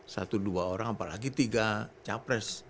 satu dua orang apalagi tiga capres